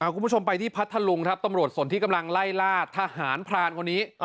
คุณผู้ชมไปที่พัทธลุงครับตำรวจส่วนที่กำลังไล่ล่าทหารพรานคนนี้